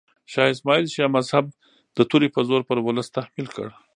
شاه اسماعیل شیعه مذهب د تورې په زور پر ولس تحمیل کړ.